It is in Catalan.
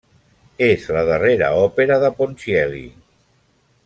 És la darrera òpera de Ponchielli.